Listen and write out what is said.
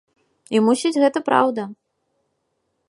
І мусіць, гэта праўда.